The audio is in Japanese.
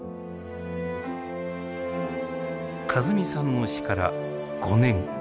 和美さんの死から５年。